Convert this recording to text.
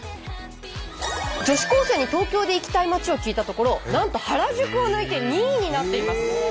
女子高生に東京で行きたい街を聞いたところなんと原宿を抜いて２位になっています。